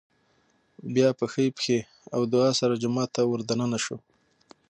بيا په ښۍ پښې او دعا سره جومات ته ور دننه شو